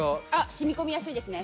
染み込みやすいですね。